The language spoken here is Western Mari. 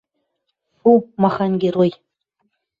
— Ф-фу, махань герой!